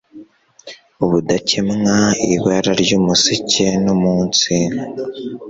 Ubudakemwa ibara ryumuseke numunsi